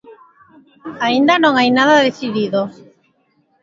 Aínda non hai nada decidido.